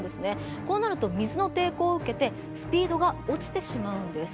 こうなると水の抵抗を受けてスピードが落ちてしまうんです。